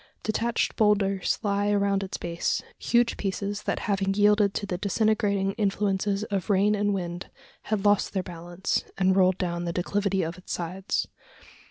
Detached boulders lie around its base, huge pieces that having yielded to the disintegrating influences of rain and wind, had lost their balance, and rolled down the declivity of its sides.